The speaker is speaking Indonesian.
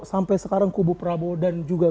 sampai sekarang kubu prabowo dan juga